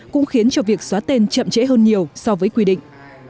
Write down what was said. cho việc xóa tên chậm trễ hơn nhiều so với quy định